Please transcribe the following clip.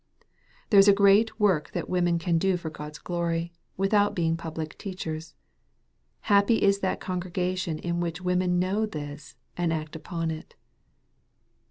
There is a great work that women can do for Grod's glory, without being public teachers. Happy is that congregation in which women know this, and act upon it